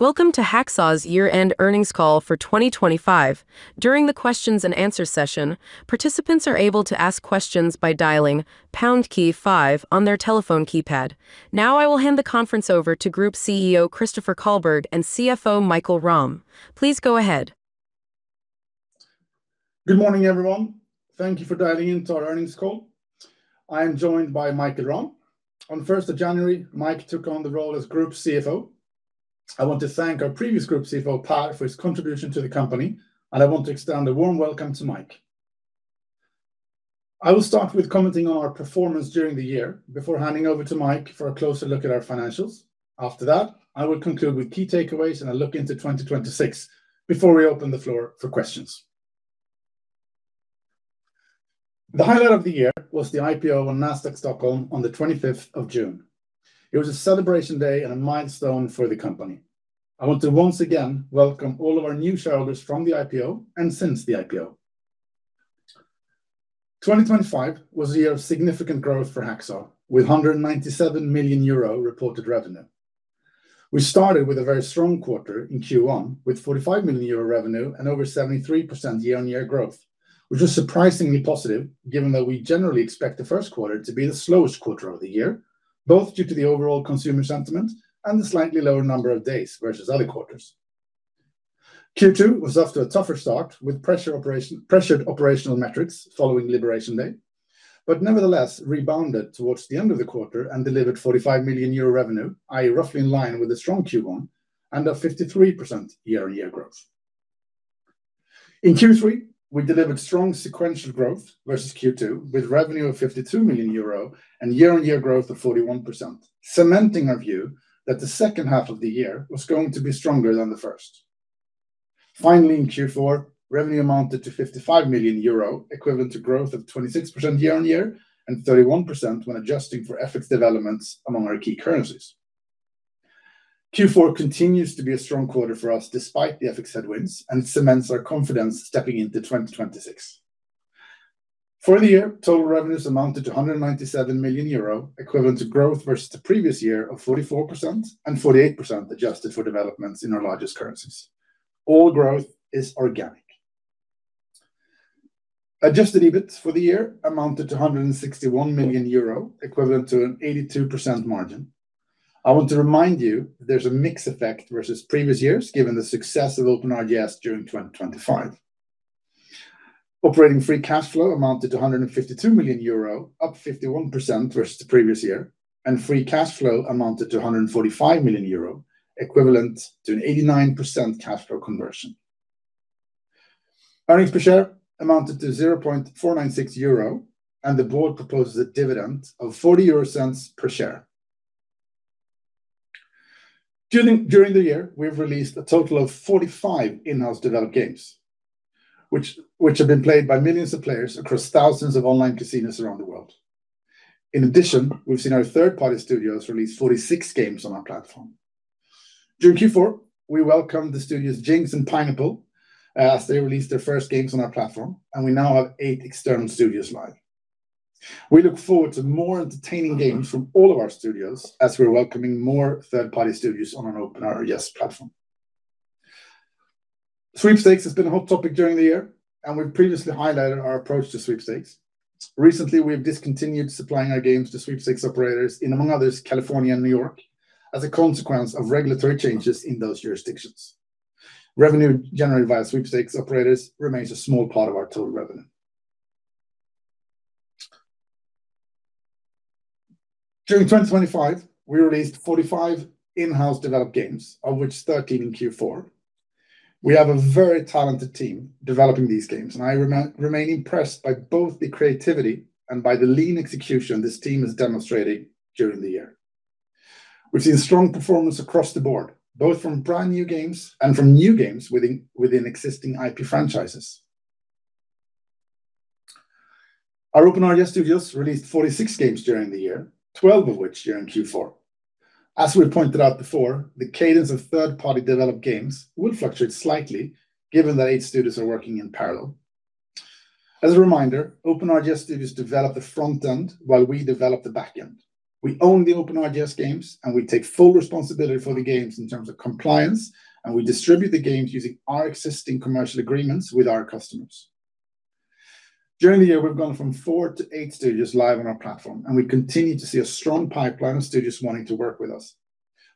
Welcome to Hacksaw's year-end earnings call for 2025. During the questions and answer session, participants are able to ask questions by dialing pound key five on their telephone keypad. Now, I will hand the conference over to Group CEO, Christoffer Källberg, and CFO, Mikael Rahm. Please go ahead. Good morning, everyone. Thank you for dialing in to our earnings call. I am joined by Mikael Rahm. On the first of January, Mike took on the role as Group CFO. I want to thank our previous Group CFO, Per Alnefelt, for his contribution to the company, and I want to extend a warm welcome to Mike. I will start with commenting on our performance during the year before handing over to Mike for a closer look at our financials. After that, I will conclude with key takeaways and a look into 2026, before we open the floor for questions. The highlight of the year was the IPO on Nasdaq Stockholm on the 25th of June. It was a celebration day and a milestone for the company. I want to once again welcome all of our new shareholders from the IPO and since the IPO. 2025 was a year of significant growth for Hacksaw, with 197 million euro reported revenue. We started with a very strong quarter in Q1, with 45 million euro revenue and over 73% year-on-year growth, which was surprisingly positive, given that we generally expect the first quarter to be the slowest quarter of the year, both due to the overall consumer sentiment and the slightly lower number of days versus other quarters. Q2 was off to a tougher start, with pressured operational metrics following Liberation Day, but nevertheless rebounded towards the end of the quarter and delivered 45 million euro revenue, i.e., roughly in line with a strong Q1 and a 53% year-on-year growth. In Q3, we delivered strong sequential growth versus Q2, with revenue of 52 million euro and year-on-year growth of 41%, cementing our view that the second half of the year was going to be stronger than the first. Finally, in Q4, revenue amounted to 55 million euro, equivalent to growth of 26% year-on-year, and 31% when adjusting for FX developments among our key currencies. Q4 continues to be a strong quarter for us, despite the FX headwinds, and cements our confidence stepping into 2026. For the year, total revenues amounted to 197 million euro, equivalent to growth versus the previous year of 44%, and 48% adjusted for developments in our largest currencies. All growth is organic. Adjusted EBIT for the year amounted to 161 million euro, equivalent to an 82% margin. I want to remind you there's a mix effect versus previous years, given the success of OpenRGS during 2025. Operating free cash flow amounted to 152 million euro, up 51% versus the previous year, and free cash flow amounted to 145 million euro, equivalent to an 89% cash flow conversion. Earnings per share amounted to 0.496 euro, and the board proposes a dividend of 0.40 per share. During the year, we've released a total of 45 in-house developed games, which have been played by millions of players across thousands of online casinos around the world. In addition, we've seen our third-party studios release 46 games on our platform. During Q4, we welcomed the studios Jinx and Pineapple as they released their first games on our platform, and we now have eight external studios live. We look forward to more entertaining games from all of our studios as we're welcoming more third-party studios on our OpenRGS platform. Sweepstakes has been a hot topic during the year, and we've previously highlighted our approach to sweepstakes. Recently, we've discontinued supplying our games to sweepstakes operators in, among others, California and New York, as a consequence of regulatory changes in those jurisdictions. Revenue generated via sweepstakes operators remains a small part of our total revenue. During 2025, we released 45 in-house developed games, of which 13 in Q4. We have a very talented team developing these games, and I remain impressed by both the creativity and by the lean execution this team has demonstrated during the year. We've seen strong performance across the board, both from brand-new games and from new games within existing IP franchises. Our OpenRGS studios released 46 games during the year, 12 of which were in Q4. As we pointed out before, the cadence of third-party developed games will fluctuate slightly, given that eight studios are working in parallel. As a reminder, OpenRGS studios develop the front end while we develop the back end. We own the OpenRGS games, and we take full responsibility for the games in terms of compliance, and we distribute the games using our existing commercial agreements with our customers. During the year, we've gone from four to eight studios live on our platform, and we continue to see a strong pipeline of studios wanting to work with us.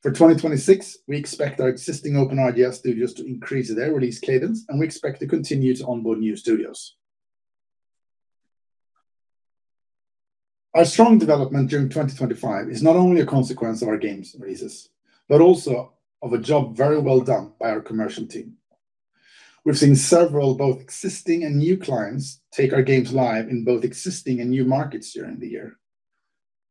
For 2026, we expect our existing OpenRGS studios to increase their release cadence, and we expect to continue to onboard new studios. Our strong development during 2025 is not only a consequence of our games releases, but also of a job very well done by our commercial team. We've seen several, both existing and new clients, take our games live in both existing and new markets during the year.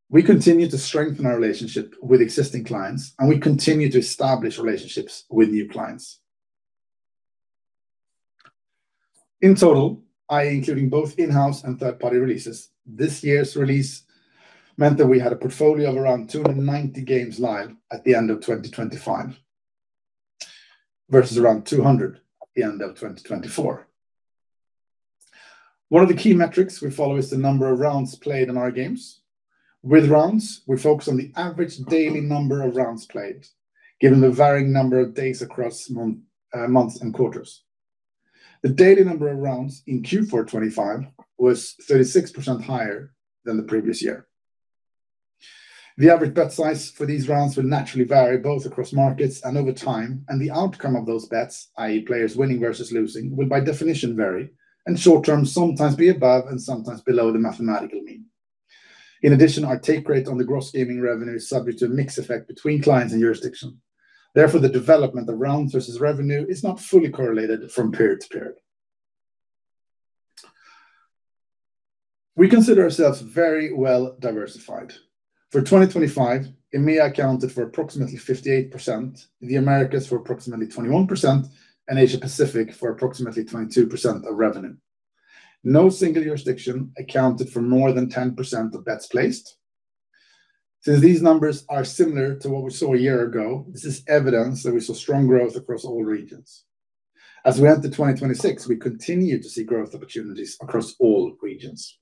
We continue to strengthen our relationship with existing clients, and we continue to establish relationships with new clients. In total, i.e., including both in-house and third-party releases, this year's release meant that we had a portfolio of around 290 games live at the end of 2025, versus around 200 at the end of 2024. One of the key metrics we follow is the number of rounds played in our games. With rounds, we focus on the average daily number of rounds played, given the varying number of days across months and quarters. The daily number of rounds in Q4 2025 was 36% higher than the previous year. The average bet size for these rounds will naturally vary, both across markets and over time, and the outcome of those bets, i.e., players winning versus losing, will by definition vary, and short-term sometimes be above and sometimes below the mathematical mean. In addition, our take rate on the gross gaming revenue is subject to a mix effect between clients and jurisdiction. Therefore, the development of rounds versus revenue is not fully correlated from period to period. We consider ourselves very well-diversified. For 2025, EMEA accounted for approximately 58%, the Americas for approximately 21%, and Asia Pacific for approximately 22% of revenue. No single jurisdiction accounted for more than 10% of bets placed. Since these numbers are similar to what we saw a year ago, this is evidence that we saw strong growth across all regions. As we enter 2026, we continue to see growth opportunities across all regions.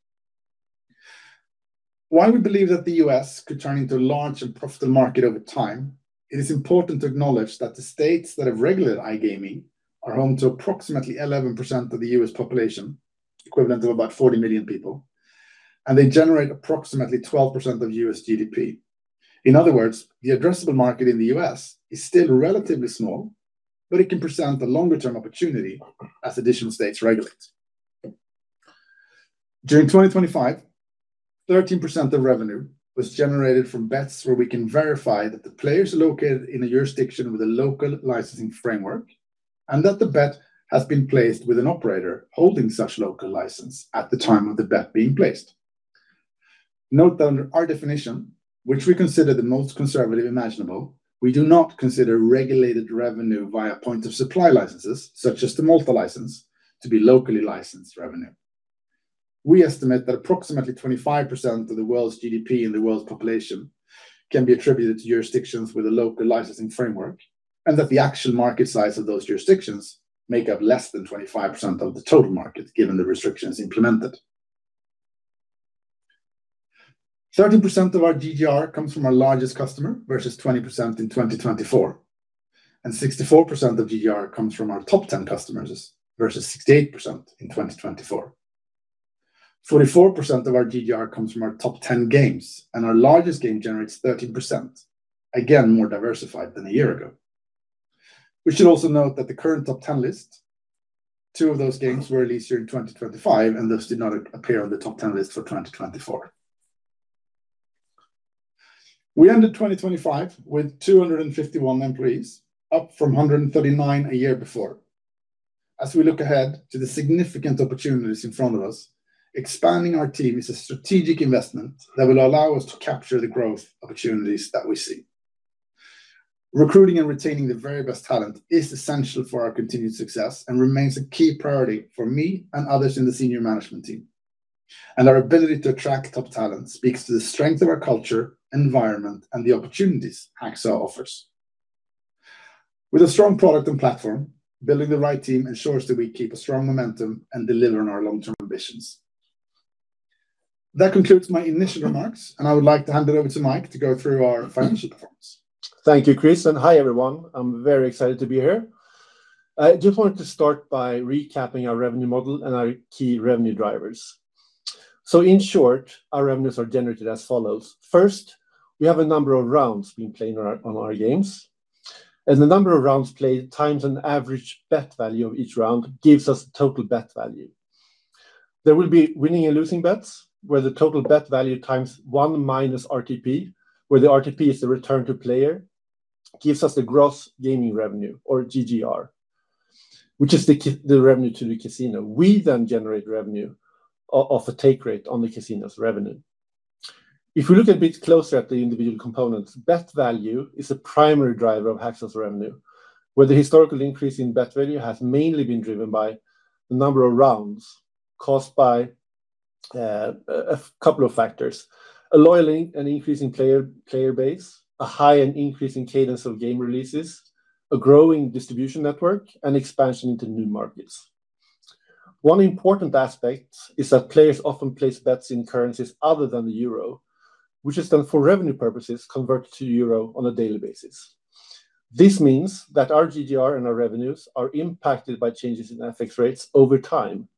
While we believe that the U.S. could turn into a large and profitable market over time, it is important to acknowledge that the states that have regulated iGaming are home to approximately 11% of the U.S. population, equivalent to about 40 million people, and they generate approximately 12% of U.S. GDP. In other words, the addressable market in the U.S. is still relatively small, but it can present a longer-term opportunity as additional states regulate. During 2025, 13% of revenue was generated from bets where we can verify that the players are located in a jurisdiction with a local licensing framework, and that the bet has been placed with an operator holding such local license at the time of the bet being placed. Note that under our definition, which we consider the most conservative imaginable, we do not consider regulated revenue via point of supply licenses, such as the Malta license, to be locally licensed revenue. We estimate that approximately 25% of the world's GDP and the world's population can be attributed to jurisdictions with a local licensing framework, and that the actual market size of those jurisdictions make up less than 25% of the total market, given the restrictions implemented. 13% of our GGR comes from our largest customer, versus 20% in 2024, and 64% of GGR comes from our top 10 customers, versus 68% in 2024. 44% of our GGR comes from our top 10 games, and our largest game generates 13%, again, more diversified than a year ago. We should also note that the current top 10 list, two of those games were released during 2025, and thus did not appear on the top 10 list for 2024. We ended 2025 with 251 employees, up from 139 a year before. As we look ahead to the significant opportunities in front of us, expanding our team is a strategic investment that will allow us to capture the growth opportunities that we see. Recruiting and retaining the very best talent is essential for our continued success and remains a key priority for me and others in the senior management team. Our ability to attract top talent speaks to the strength of our culture, environment, and the opportunities Hacksaw offers. With a strong product and platform, building the right team ensures that we keep a strong momentum and deliver on our long-term ambitions. That concludes my initial remarks, and I would like to hand it over to Mike to go through our financial performance. Thank you, Chris, and hi, everyone. I'm very excited to be here. I just wanted to start by recapping our revenue model and our key revenue drivers. So in short, our revenues are generated as follows: First, we have a number of rounds being played on our games, and the number of rounds played times an average bet value of each round gives us total bet value. There will be winning and losing bets, where the total bet value times one minus RTP, where the RTP is the return to player, gives us the gross gaming revenue, or GGR, which is the revenue to the casino. We then generate revenue off a take rate on the casino's revenue. If we look a bit closer at the individual components, bet value is a primary driver of Hacksaw's revenue, where the historical increase in bet value has mainly been driven by the number of rounds caused by a couple of factors: a loyal and increasing player base, a high and increasing cadence of game releases, a growing distribution network, and expansion into new markets. One important aspect is that players often place bets in currencies other than the euro, which is done for revenue purposes, converted to euro on a daily basis. This means that our GGR and our revenues are impacted by changes in FX rates over time,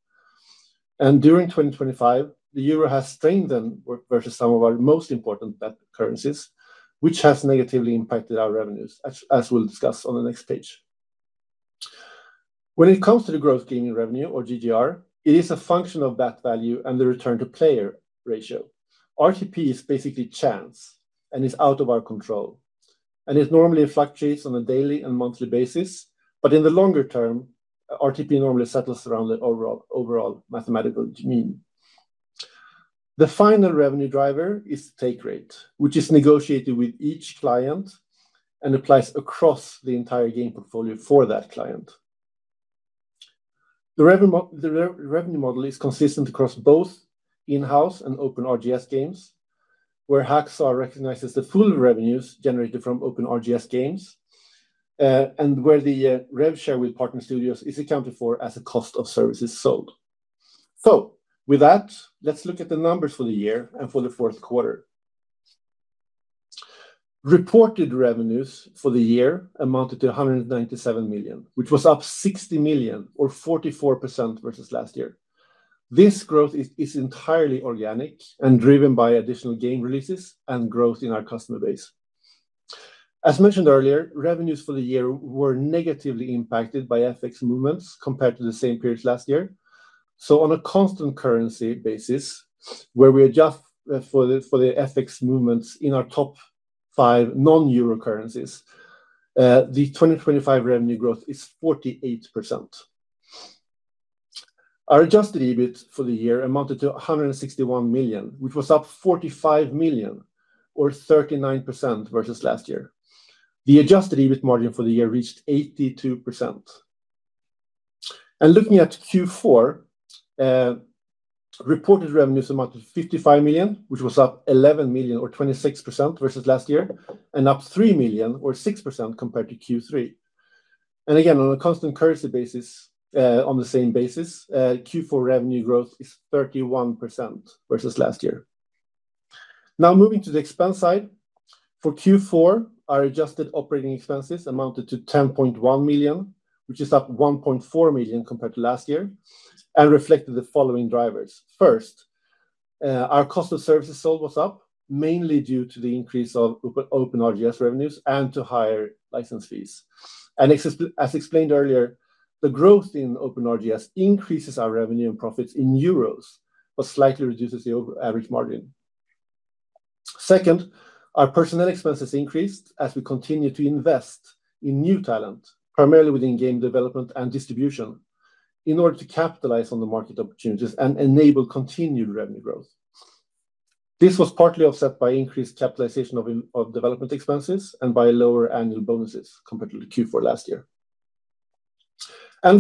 and during 2025, the euro has strengthened versus some of our most important bet currencies, which has negatively impacted our revenues, as we'll discuss on the next page. When it comes to the gross gaming revenue, or GGR, it is a function of bet value and the return to player ratio. RTP is basically chance, and is out of our control, and it normally fluctuates on a daily and monthly basis, but in the longer term, RTP normally settles around the overall, overall mathematical mean. The final revenue driver is take rate, which is negotiated with each client and applies across the entire game portfolio for that client. The revenue model is consistent across both in-house and OpenRGS games, where Hacksaw recognizes the full revenues generated from OpenRGS games, and where the rev share with partner studios is accounted for as a cost of services sold. So with that, let's look at the numbers for the year and for the fourth quarter. Reported revenues for the year amounted to 197 million, which was up 60 million or 44% versus last year. This growth is entirely organic and driven by additional game releases and growth in our customer base. As mentioned earlier, revenues for the year were negatively impacted by FX movements compared to the same period last year. So on a constant currency basis, where we adjust for the FX movements in our top five non-euro currencies, the 2025 revenue growth is 48%. Our adjusted EBIT for the year amounted to 161 million, which was up 45 million or 39% versus last year. The adjusted EBIT margin for the year reached 82%. Looking at Q4, reported revenues amounted to 55 million, which was up 11 million, or 26% versus last year, and up 3 million, or 6% compared to Q3. And again, on a constant currency basis, on the same basis, Q4 revenue growth is 31% versus last year. Now, moving to the expense side, for Q4, our adjusted operating expenses amounted to 10.1 million, which is up 1.4 million compared to last year and reflected the following drivers. First, our cost of services sold was up, mainly due to the increase of OpenRGS revenues and to higher license fees. As explained earlier, the growth in OpenRGS increases our revenue and profits in euros, but slightly reduces the overall average margin. Second, our personnel expenses increased as we continue to invest in new talent, primarily within game development and distribution, in order to capitalize on the market opportunities and enable continued revenue growth. This was partly offset by increased capitalization of development expenses and by lower annual bonuses compared to the Q4 last year.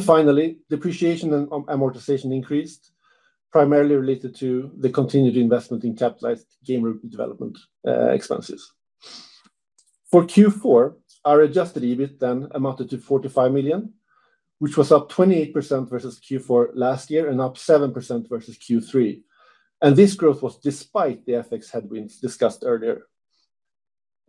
Finally, depreciation and amortization increased, primarily related to the continued investment in capitalized game development expenses. For Q4, our adjusted EBIT then amounted to 45 million, which was up 28% versus Q4 last year and up 7% versus Q3. This growth was despite the FX headwinds discussed earlier.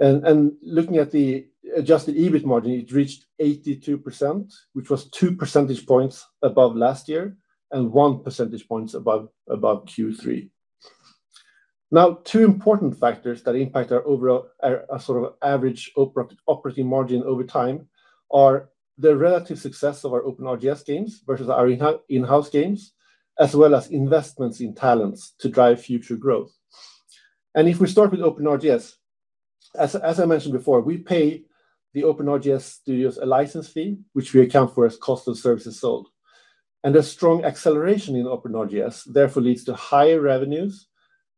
Looking at the adjusted EBIT margin, it reached 82%, which was 2 percentage points above last year and 1 percentage point above Q3. Now, two important factors that impact our overall—our sort of average operating margin over time are the relative success of our OpenRGS games versus our in-house games, as well as investments in talents to drive future growth. And if we start with OpenRGS, as, as I mentioned before, we pay the OpenRGS studios a license fee, which we account for as cost of services sold. And a strong acceleration in OpenRGS therefore leads to higher revenues,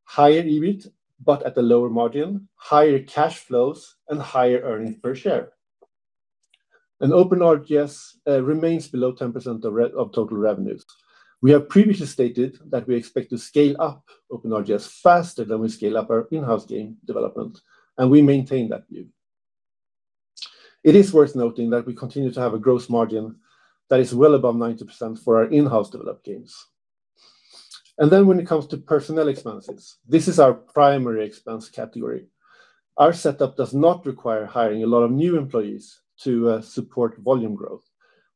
higher EBIT, but at a lower margin, higher cash flows, and higher earnings per share. And OpenRGS remains below 10% of total revenues. We have previously stated that we expect to scale up OpenRGS faster than we scale up our in-house game development, and we maintain that view. It is worth noting that we continue to have a gross margin that is well above 90% for our in-house developed games. And then when it comes to personnel expenses, this is our primary expense category. Our setup does not require hiring a lot of new employees to support volume growth,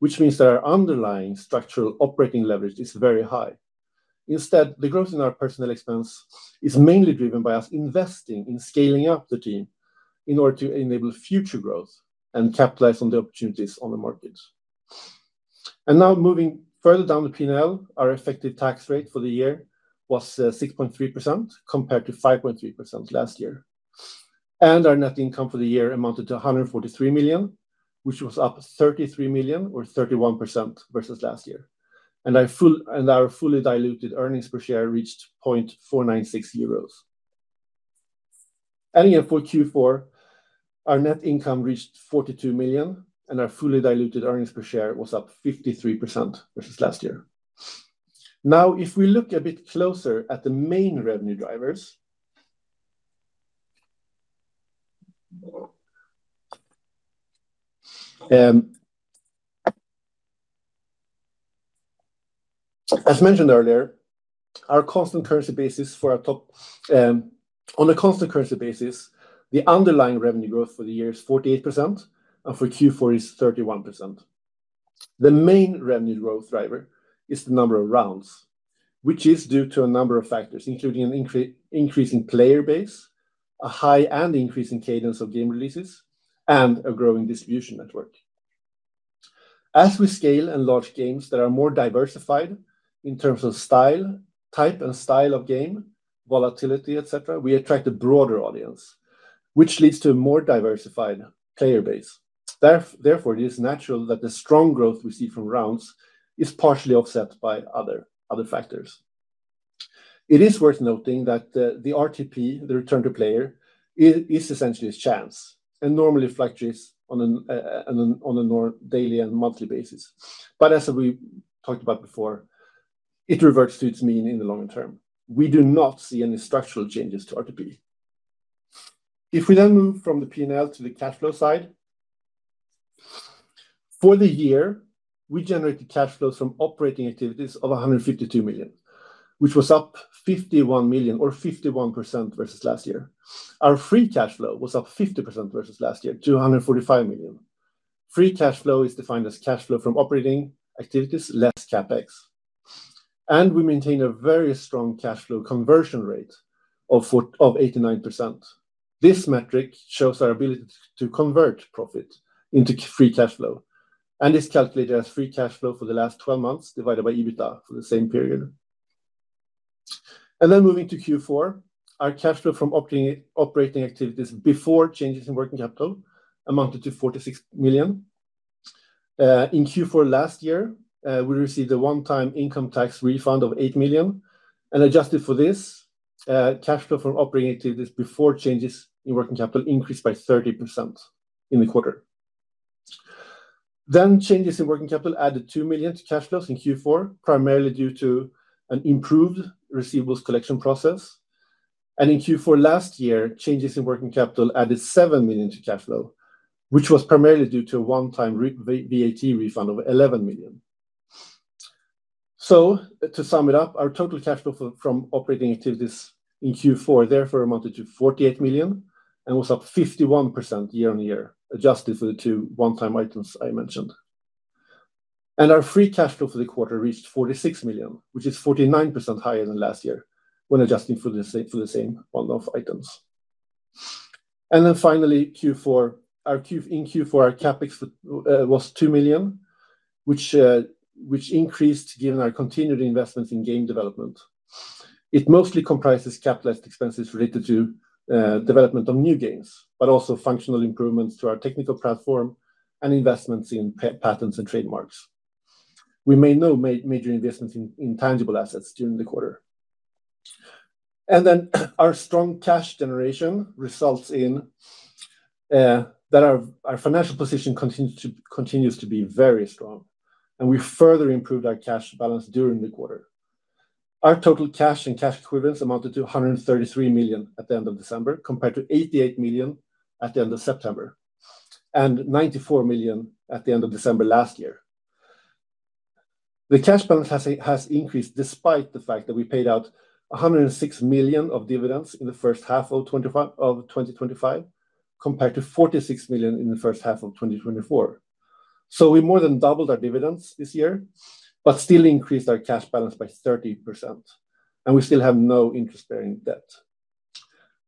which means that our underlying structural operating leverage is very high. Instead, the growth in our personnel expense is mainly driven by us investing in scaling up the team in order to enable future growth and capitalize on the opportunities on the market. And now moving further down the P&L, our effective tax rate for the year was 6.3%, compared to 5.3% last year. And our net income for the year amounted to 143 million, which was up 33 million, or 31% versus last year. Our fully diluted earnings per share reached 0.496 euros. Adjusted for Q4, our net income reached 42 million, and our fully diluted earnings per share was up 53% versus last year. Now, if we look a bit closer at the main revenue drivers, as mentioned earlier, on a constant currency basis, the underlying revenue growth for the year is 48%, and for Q4 is 31%. The main revenue growth driver is the number of rounds, which is due to a number of factors, including an increasing player base, a high and increasing cadence of game releases, and a growing distribution network. As we scale and launch games that are more diversified in terms of style, type and style of game, volatility, etc., we attract a broader audience, which leads to a more diversified player base. Therefore, it is natural that the strong growth we see from rounds is partially offset by other factors. It is worth noting that the RTP, the return to player, is essentially a chance and normally fluctuates on a normal daily and monthly basis. But as we talked about before, it reverts to its mean in the long term. We do not see any structural changes to B2B. If we then move from the P&L to the cash flow side, for the year, we generated cash flows from operating activities of 152 million, which was up 51 million or 51% versus last year. Our free cash flow was up 50% versus last year, 245 million. Free cash flow is defined as cash flow from operating activities, less CapEx. We maintain a very strong cash flow conversion rate of 89%. This metric shows our ability to convert profit into free cash flow and is calculated as free cash flow for the last 12 months, divided by EBITDA for the same period. Moving to Q4, our cash flow from operating activities before changes in working capital amounted to 46 million. In Q4 last year, we received a one-time income tax refund of 8 million, and adjusted for this, cash flow from operating activities before changes in working capital increased by 30% in the quarter. Changes in working capital added 2 million to cash flows in Q4, primarily due to an improved receivables collection process. In Q4 last year, changes in working capital added 7 million to cash flow, which was primarily due to a one-time VAT refund of 11 million. To sum it up, our total cash flow from operating activities in Q4 therefore amounted to 48 million and was up 51% year-on-year, adjusted for the two one-time items I mentioned. Our free cash flow for the quarter reached 46 million, which is 49% higher than last year when adjusting for the same one-off items. Finally, in Q4, our CapEx was 2 million, which increased given our continued investments in game development. It mostly comprises capitalized expenses related to development of new games, but also functional improvements to our technical platform and investments in patents and trademarks. We made no major investments in tangible assets during the quarter. Our strong cash generation results in that our financial position continues to be very strong, and we further improved our cash balance during the quarter. Our total cash and cash equivalents amounted to 133 million at the end of December, compared to 88 million at the end of September, and 94 million at the end of December last year. The cash balance has increased despite the fact that we paid out 106 million of dividends in the first half of 2025, compared to 46 million in the first half of 2024. So we more than doubled our dividends this year, but still increased our cash balance by 30%, and we still have no interest-bearing debt.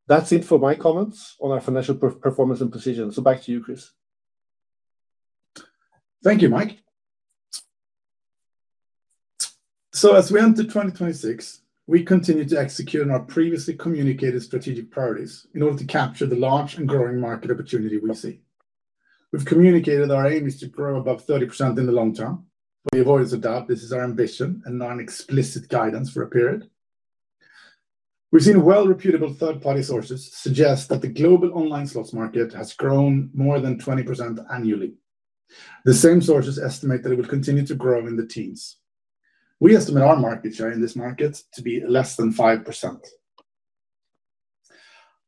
That's it for my comments on our financial performance and position. So back to you, Chris. Thank you, Mike. As we enter 2026, we continue to execute on our previously communicated strategic priorities in order to capture the large and growing market opportunity we see. We've communicated our aim is to grow above 30% in the long term. Without a doubt, this is our ambition and non-explicit guidance for a period. We've seen well-reputable third-party sources suggest that the global online slots market has grown more than 20% annually. The same sources estimate that it will continue to grow in the teens. We estimate our market share in this market to be less than 5%.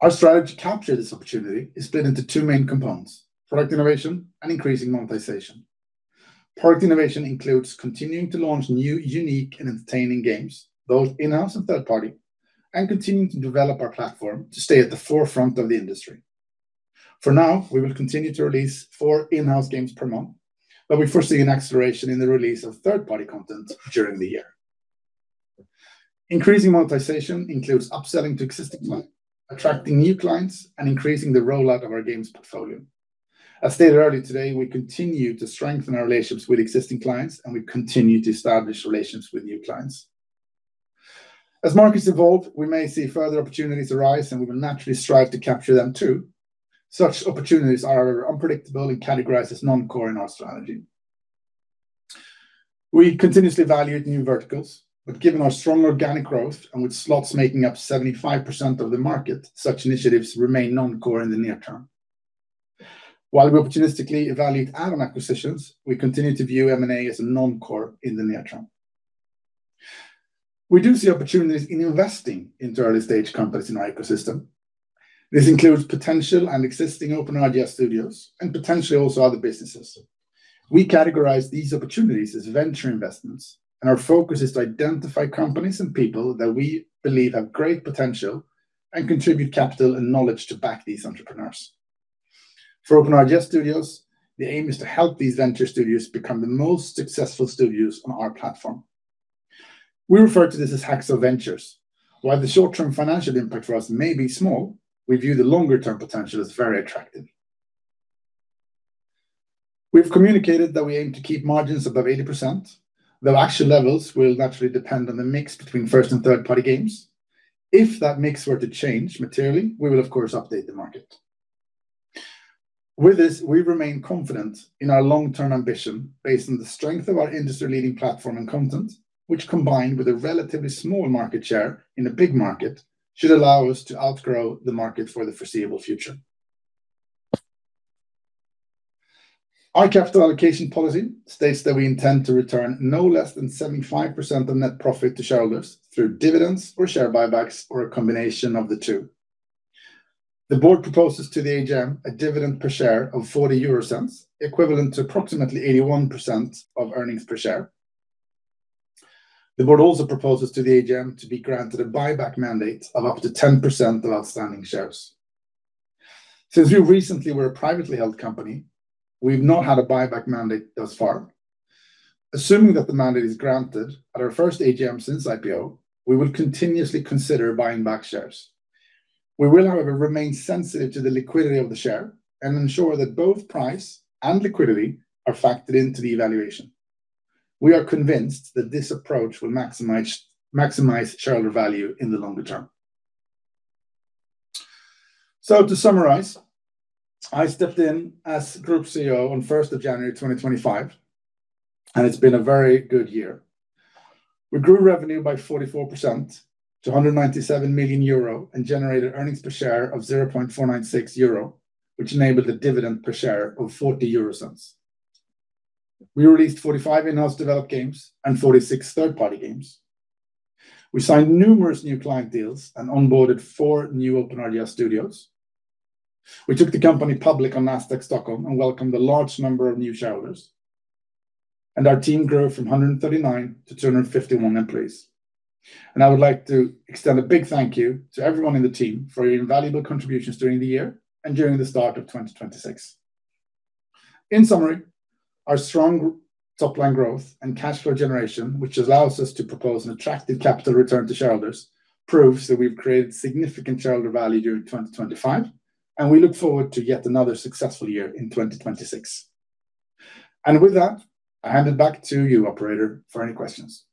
Our strategy to capture this opportunity is split into two main components: product innovation and increasing monetization. Product innovation includes continuing to launch new, unique, and entertaining games, both in-house and third party, and continuing to develop our platform to stay at the forefront of the industry. For now, we will continue to release four in-house games per month, but we foresee an acceleration in the release of third-party content during the year. Increasing monetization includes upselling to existing clients, attracting new clients, and increasing the rollout of our games portfolio. As stated earlier today, we continue to strengthen our relationships with existing clients, and we continue to establish relations with new clients. As markets evolve, we may see further opportunities arise, and we will naturally strive to capture them too. Such opportunities are unpredictable and categorized as non-core in our strategy. We continuously evaluate new verticals, but given our strong organic growth and with slots making up 75% of the market, such initiatives remain non-core in the near term. While we opportunistically evaluate add-on acquisitions, we continue to view M&A as a non-core in the near term. We do see opportunities in investing into early-stage companies in our ecosystem. This includes potential and existing OpenRGS studios and potentially also other businesses. We categorize these opportunities as venture investments, and our focus is to identify companies and people that we believe have great potential and contribute capital and knowledge to back these entrepreneurs. For OpenRGS Studios, the aim is to help these venture studios become the most successful studios on our platform. We refer to this as Hacksaw Ventures. While the short-term financial impact for us may be small, we view the longer-term potential as very attractive. We've communicated that we aim to keep margins above 80%, though actual levels will naturally depend on the mix between first and third-party games. If that mix were to change materially, we will of course update the market. With this, we remain confident in our long-term ambition, based on the strength of our industry-leading platform and content, which, combined with a relatively small market share in a big market, should allow us to outgrow the market for the foreseeable future. Our capital allocation policy states that we intend to return no less than 75% of net profit to shareholders through dividends or share buybacks, or a combination of the two. The board proposes to the AGM a dividend per share of 0.40, equivalent to approximately 81% of earnings per share. The board also proposes to the AGM to be granted a buyback mandate of up to 10% of outstanding shares. Since we recently were a privately held company, we've not had a buyback mandate thus far. Assuming that the mandate is granted at our first AGM since IPO, we will continuously consider buying back shares. We will, however, remain sensitive to the liquidity of the share and ensure that both price and liquidity are factored into the evaluation. We are convinced that this approach will maximize shareholder value in the longer term. To summarize, I stepped in as Group CEO on January 1, 2025, and it's been a very good year. We grew revenue by 44% to 197 million euro and generated earnings per share of 0.496 euro, which enabled a dividend per share of 0.40 EUR. We released 45 in-house developed games and 46 third-party games. We signed numerous new client deals and onboarded four new OpenRGS studios. We took the company public on Nasdaq Stockholm and welcomed a large number of new shareholders, and our team grew from 139 to 251 employees. I would like to extend a big thank you to everyone in the team for your invaluable contributions during the year and during the start of 2026. In summary, our strong top line growth and cash flow generation, which allows us to propose an attractive capital return to shareholders, proves that we've created significant shareholder value during 2025, and we look forward to yet another successful year in 2026. With that, I hand it back to you, Operator, for any questions.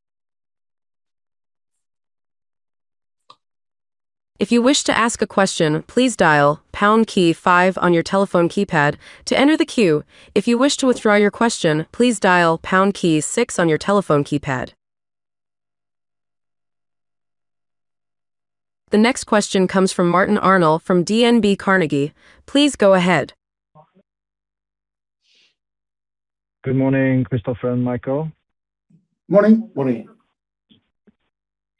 If you wish to ask a question, please dial pound key five on your telephone keypad to enter the queue. If you wish to withdraw your question, please dial pound key six on your telephone keypad. The next question comes from Martin Arnell from DNB Carnegie. Please go ahead. Good morning, Christoffer and Mikael. Morning. Morning.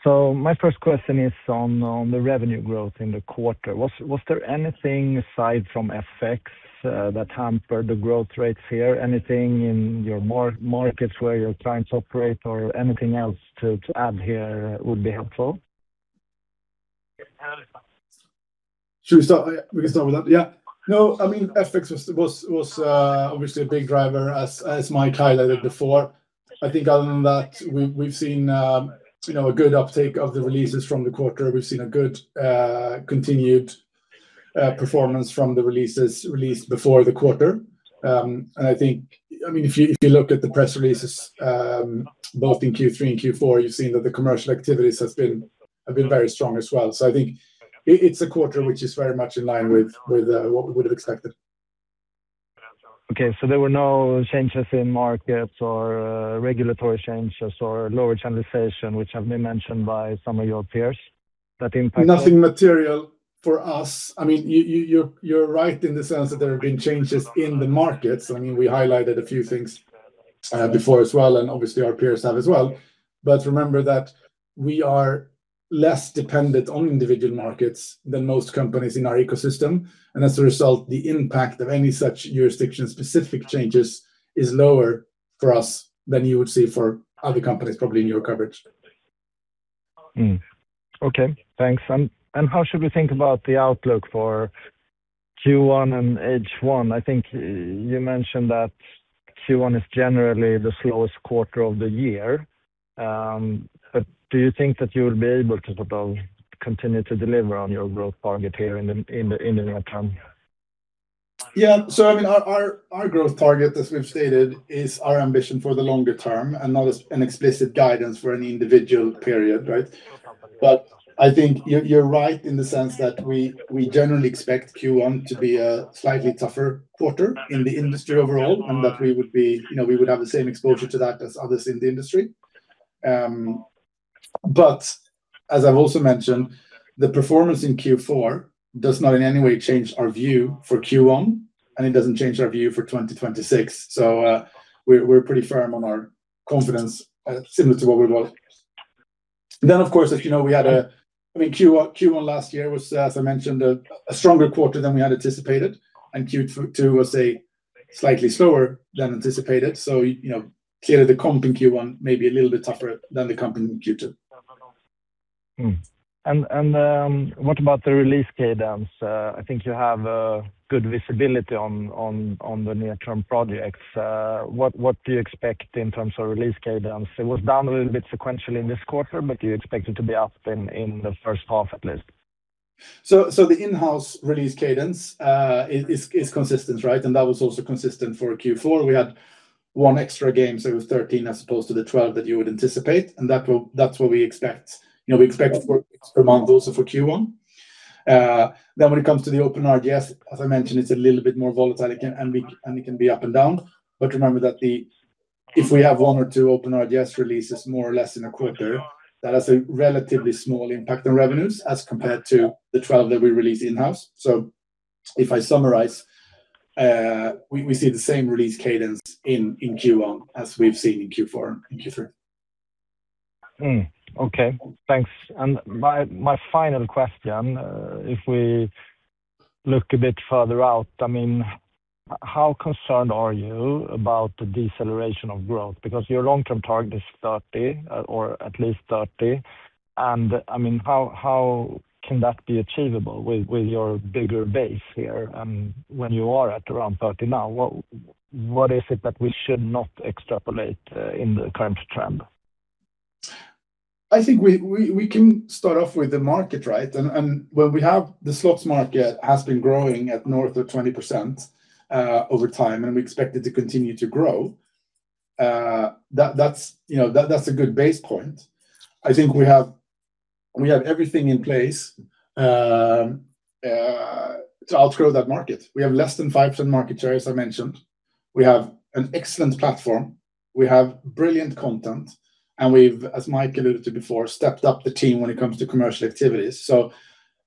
So my first question is on the revenue growth in the quarter. Was there anything aside from effects that hampered the growth rates here? Anything in your markets where your clients operate or anything else to add here would be helpful? Should we start? We can start with that. Yeah. No, I mean, FX was obviously a big driver, as Mike highlighted before. I think other than that, we've seen, you know, a good uptake of the releases from the quarter. We've seen a good continued performance from the releases released before the quarter. And I think, I mean, if you look at the press releases, both in Q3 and Q4, you've seen that the commercial activities has been, have been very strong as well. So I think it, it's a quarter which is very much in line with what we would have expected. Okay. So there were no changes in markets or, regulatory changes or lower channelization, which have been mentioned by some of your peers that impact. Nothing material for us. I mean, you're right in the sense that there have been changes in the markets. I mean, we highlighted a few things before as well, and obviously our peers have as well. But remember that we are less dependent on individual markets than most companies in our ecosystem, and as a result, the impact of any such jurisdiction-specific changes is lower for us than you would see for other companies, probably in your coverage. Okay, thanks. And how should we think about the outlook for Q1 and H1? I think you mentioned that Q1 is generally the slowest quarter of the year. But do you think that you will be able to sort of continue to deliver on your growth target here in the near term? Yeah. So, I mean, our growth target, as we've stated, is our ambition for the longer term and not as an explicit guidance for any individual period, right? But I think you're right in the sense that we generally expect Q1 to be a slightly tougher quarter in the industry overall, and that we would be—you know, we would have the same exposure to that as others in the industry. But as I've also mentioned, the performance in Q4 does not in any way change our view for Q1, and it doesn't change our view for 2026. So, we're pretty firm on our confidence, similar to what we were. Then, of course, as you know, we had—I mean, Q1, Q1 last year was, as I mentioned, a stronger quarter than we had anticipated, and Q2 was a slightly slower than anticipated. So, you know, clearly the comp in Q1 may be a little bit tougher than the comp in Q2. What about the release cadence? I think you have a good visibility on the near-term projects. What do you expect in terms of release cadence? It was down a little bit sequentially in this quarter, but do you expect it to be up in the first half at least? So the in-house release cadence is consistent, right? And that was also consistent for Q4. We had one extra game, so it was 13 as opposed to the 12 that you would anticipate, and that's what we expect. You know, we expect four extra months also for Q1. Then when it comes to the OpenRGS, as I mentioned, it's a little bit more volatile, again, and it can be up and down. But remember that if we have one or two OpenRGS releases, more or less in a quarter, that has a relatively small impact on revenues as compared to the titles that we release in-house. So if I summarize, we see the same release cadence in Q1 as we've seen in Q4 and Q3. Okay, thanks. My final question, if we look a bit further out, I mean, how concerned are you about the deceleration of growth? Because your long-term target is 30%, or at least 30%, and I mean, how can that be achievable with your bigger base here, and when you are at around 30% now? What is it that we should not extrapolate in the current trend? I think we can start off with the market, right? And the slots market has been growing at north of 20%, over time, and we expect it to continue to grow. That's, you know, that's a good base point. I think we have everything in place to outgrow that market. We have less than 5% market share, as I mentioned. We have an excellent platform, we have brilliant content, and we've, as Mike alluded to before, stepped up the team when it comes to commercial activities. So,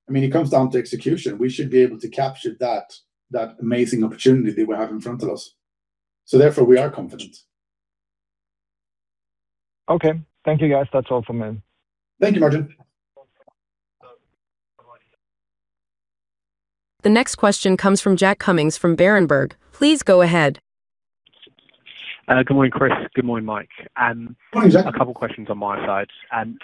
I mean, it comes down to execution. We should be able to capture that amazing opportunity that we have in front of us. So therefore, we are confident. Okay. Thank you, guys. That's all for me. Thank you, Martin. The next question comes from Jack Cummings from Berenberg. Please go ahead. Good morning, Chris. Good morning, Mike. Morning, Jack. A couple questions on my side.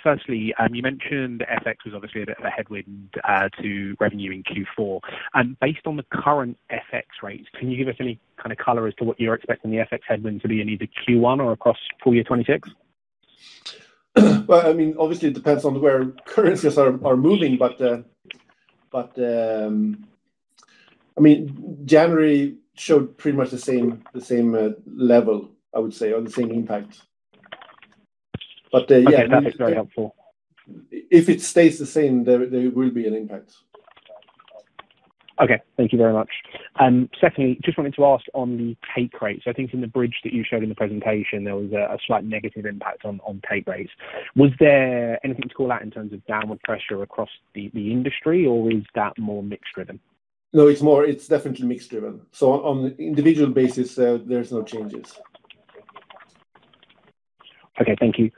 Firstly, you mentioned FX was obviously a bit of a headwind to revenue in Q4. And based on the current FX rates, can you give us any kind of color as to what you're expecting the FX headwind to be in either Q1 or across full year 2026? Well, I mean, obviously, it depends on where currencies are moving, but, but, I mean, January showed pretty much the same, the same level, I would say, or the same impact. But, yeah. Yeah, that's very helpful. If it stays the same, there will be an impact. Okay. Thank you very much. Secondly, just wanted to ask on the take rates. I think in the bridge that you showed in the presentation, there was a slight negative impact on take rates. Was there anything to call out in terms of downward pressure across the industry, or is that more mix driven? No, it's more, it's definitely mixed driven. So on individual basis, there's no changes. Okay, thank you.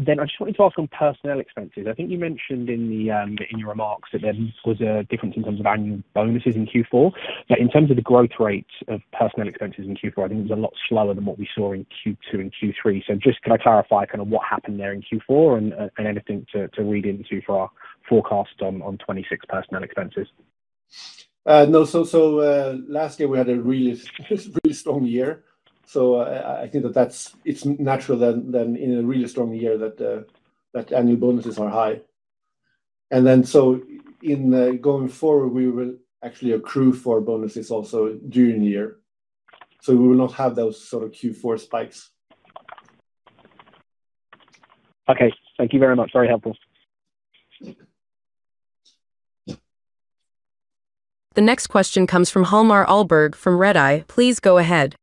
Then I just wanted to ask on personnel expenses. I think you mentioned in the, in your remarks that there was a difference in terms of annual bonuses in Q4, but in terms of the growth rate of personnel expenses in Q4, I think it was a lot slower than what we saw in Q2 and Q3. So just can I clarify kind of what happened there in Q4 and, and anything to, to read into for our forecast on, on 2026 personnel expenses? No. So, last year we had a really, really strong year, so I think that that's, it's natural then in a really strong year, that annual bonuses are high. And then so in going forward, we will actually accrue for bonuses also during the year, so we will not have those sort of Q4 spikes. Okay. Thank you very much. Very helpful. The next question comes from Hjalmar Ahlberg from Redeye. Please go ahead.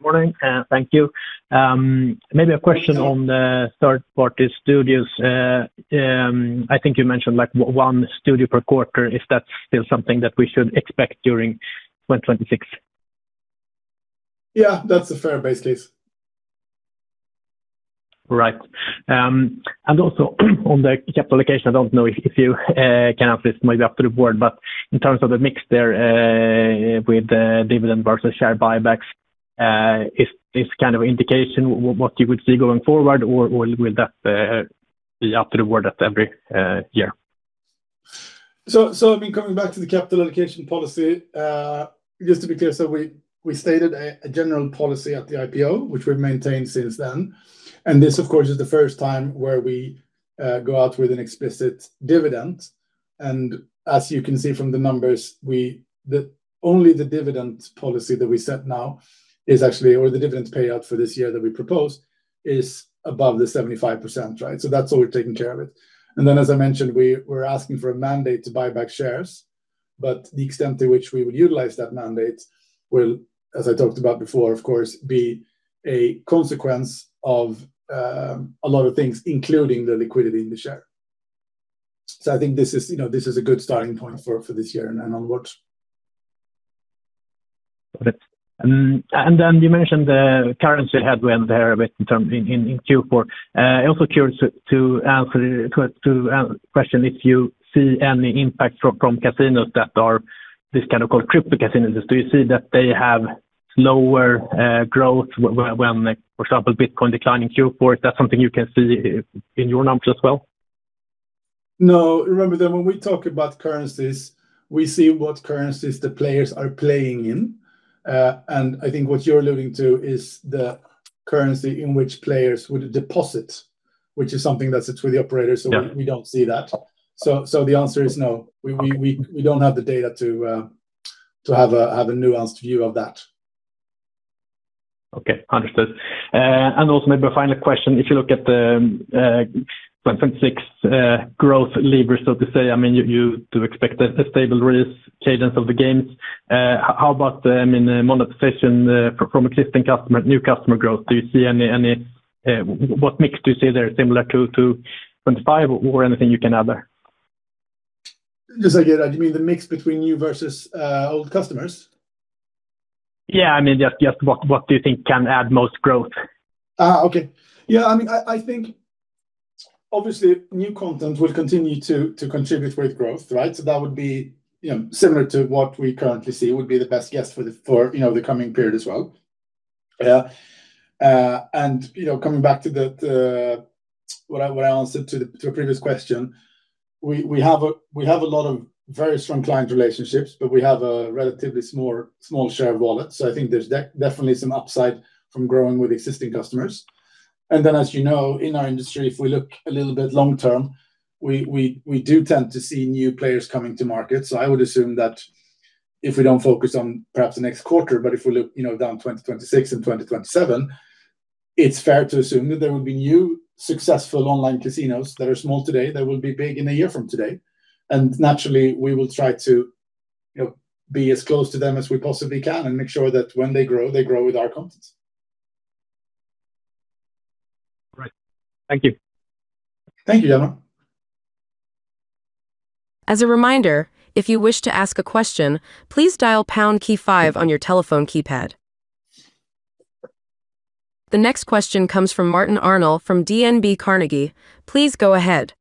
Morning, and thank you. Maybe a question on the third-party studios. I think you mentioned, like, one studio per quarter. Is that still something that we should expect during 2026? Yeah, that's a fair basis. Right. And also on the capital allocation, I don't know if you can answer this, maybe up to the board, but in terms of the mix there, with the dividend versus share buybacks, is this kind of indication what you would see going forward, or will that be up to the board at every year? I mean, coming back to the capital allocation policy, just to be clear, we stated a general policy at the IPO, which we've maintained since then, and this, of course, is the first time where we go out with an explicit dividend. And as you can see from the numbers, the dividend policy that we set now is actually, or the dividend payout for this year that we propose, is above the 75%, right? So that's all we're taking care of it. And then, as I mentioned, we're asking for a mandate to buy back shares, but the extent to which we would utilize that mandate will, as I talked about before, of course, be a consequence of a lot of things, including the liquidity in the share. So I think this is, you know, this is a good starting point for this year and onwards. Got it. You mentioned the currency headwind there, a bit in terms in, in, in Q4. I'm also curious to answer, to question if you see any impact from casinos that are this kind of called crypto casinos. Do you see that they have lower growth when, for example, Bitcoin declined in Q4? Is that something you can see in your numbers as well? No. Remember that when we talk about currencies, we see what currencies the players are playing in, and I think what you're alluding to is the currency in which players would deposit, which is something that's with the operator. Yeah. So we don't see that. So the answer is no. We don't have the data to have a nuanced view of that. Okay, understood. And also maybe a final question, if you look at the 2026 growth levers, so to say, I mean, you do expect a stable release cadence of the games. How about the, I mean, the monetization from existing customer, new customer growth? Do you see any what mix do you see there similar to 2025, or anything you can add there? Just so I get it, you mean the mix between new versus old customers? Yeah, I mean, just what do you think can add most growth? Ah, okay. Yeah, I mean, I think obviously new content will continue to contribute with growth, right? So that would be, you know, similar to what we currently see, would be the best guess for you know, the coming period as well. Yeah. And, you know, coming back to what I answered to a previous question, we have a lot of very strong client relationships, but we have a relatively small share of wallet, so I think there's definitely some upside from growing with existing customers. And then, as you know, in our industry, if we look a little bit long term, we do tend to see new players coming to market, so I would assume that if we don't focus on perhaps the next quarter, but if we look, you know, down 2026 and 2027, it's fair to assume that there will be new successful online casinos that are small today, that will be big in a year from today, and naturally, we will try to, you know, be as close to them as we possibly can and make sure that when they grow, they grow with our content. Great. Thank you. Thank you, Hjalmar. As a reminder, if you wish to ask a question, please dial pound key five on your telephone keypad. The next question comes from Martin Arnell from DNB Carnegie. Please go ahead.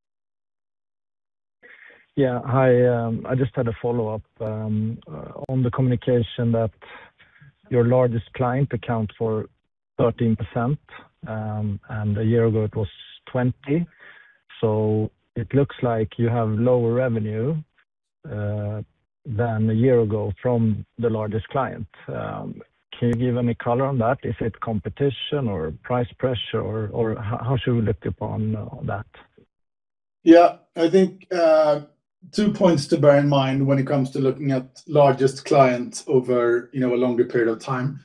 Yeah, hi, I just had a follow-up on the communication that your largest client accounts for 13%, and a year ago it was 20%, so it looks like you have lower revenue than a year ago from the largest client. Can you give any color on that? Is it competition or price pressure, or how should we look upon on that? Yeah, I think two points to bear in mind when it comes to looking at largest clients over, you know, a longer period of time.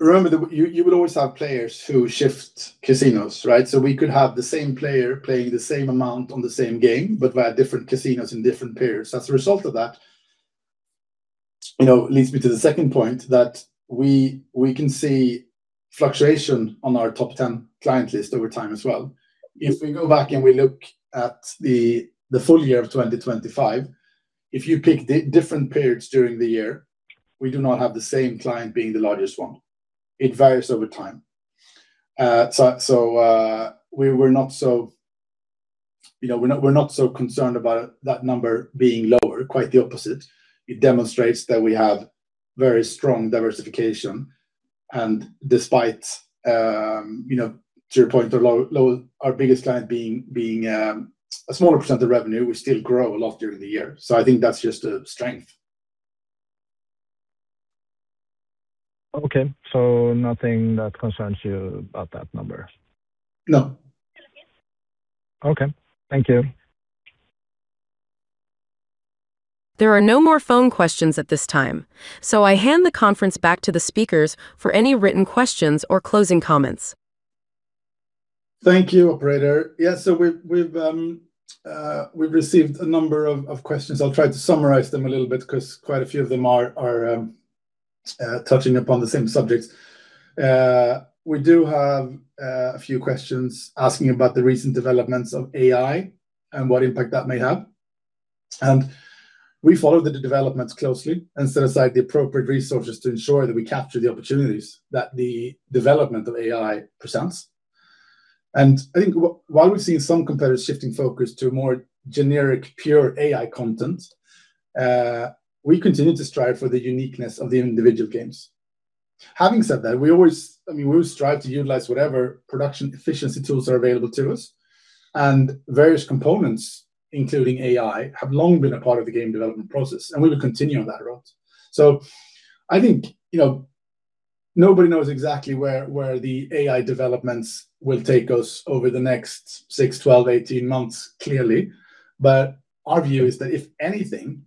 Remember that you will always have players who shift casinos, right? So we could have the same player playing the same amount on the same game, but via different casinos in different periods. As a result of that, you know, leads me to the second point, that we can see fluctuation on our top 10 client list over time as well. If we go back and we look at the full year of 2025, if you pick different periods during the year, we do not have the same client being the largest one. It varies over time. So, we were not so. You know, we're not, we're not so concerned about that number being lower, quite the opposite. It demonstrates that we have very strong diversification, and despite, you know, to your point, the low, our biggest client being, a smaller percent of revenue, we still grow a lot during the year. So I think that's just a strength. Okay, so nothing that concerns you about that number? No. Okay. Thank you. There are no more phone questions at this time, so I hand the conference back to the speakers for any written questions or closing comments. Thank you, Operator. Yeah, so we've received a number of questions. I'll try to summarize them a little bit, 'cause quite a few of them are touching upon the same subjects. We do have a few questions asking about the recent developments of AI and what impact that may have, and we follow the developments closely and set aside the appropriate resources to ensure that we capture the opportunities that the development of AI presents. And I think while we've seen some competitors shifting focus to a more generic, pure AI content, we continue to strive for the uniqueness of the individual games. Having said that, we always, I mean, we always strive to utilize whatever production efficiency tools are available to us, and various components, including AI, have long been a part of the game development process, and we will continue on that route. So I think, you know, nobody knows exactly where, where the AI developments will take us over the next six, 12, 18 months, clearly. But our view is that, if anything,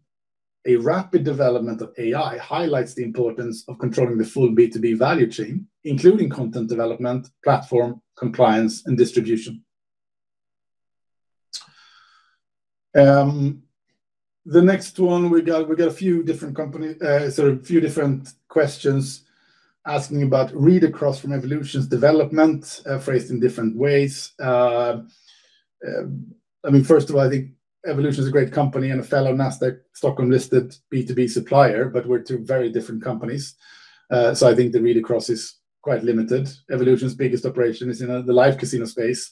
a rapid development of AI highlights the importance of controlling the full B2B value chain, including content development, platform, compliance, and distribution. The next one, we got a few different company, sorry, a few different questions asking about read-across from Evolution's development, phrased in different ways. I mean, first of all, I think Evolution is a great company and a fellow Nasdaq Stockholm-listed B2B supplier, but we're two very different companies. So I think the read-across is quite limited. Evolution's biggest operation is in the live casino space,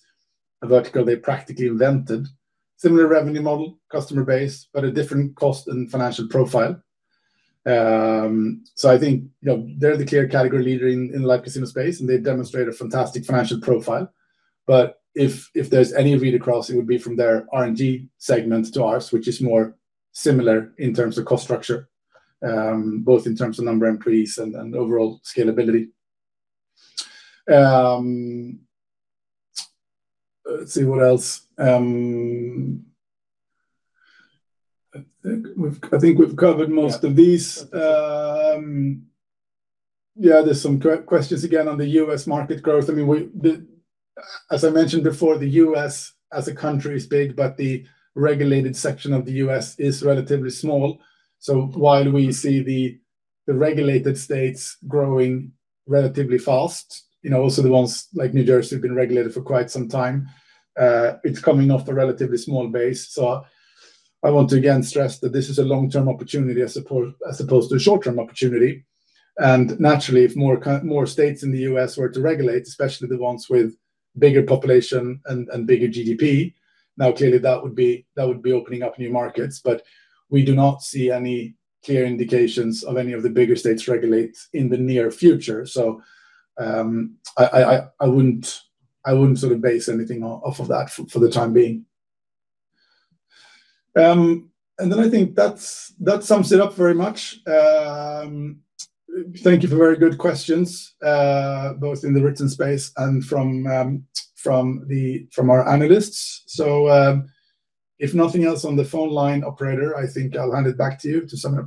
a vertical they practically invented. Similar revenue model, customer base, but a different cost and financial profile. So I think, you know, they're the clear category leader in the live casino space, and they've demonstrated a fantastic financial profile. But if there's any read-across, it would be from their R&D segment to ours, which is more similar in terms of cost structure, both in terms of number employees and overall scalability. Let's see, what else? I think we've covered most of these. Yeah, there's some questions again on the U.S. market growth. I mean, as I mentioned before, the U.S. as a country is big, but the regulated section of the U.S. is relatively small. So while we see the regulated states growing relatively fast, you know, also the ones like New Jersey have been regulated for quite some time, it's coming off a relatively small base. So I want to again stress that this is a long-term opportunity as opposed, as opposed to a short-term opportunity, and naturally, if more states in the U.S. were to regulate, especially the ones with bigger population and bigger GDP, now, clearly, that would be, that would be opening up new markets. But we do not see any clear indications of any of the bigger states regulate in the near future, so I wouldn't sort of base anything off of that for the time being. And then I think that sums it up very much. Thank you for very good questions, both in the written space and from our analysts. So if nothing else on the phone line, Operator, I think I'll hand it back to you to summarize.